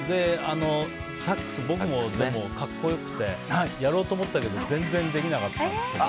サックス、僕も格好良くてやろうと思ったけど全然できなかったんですけど。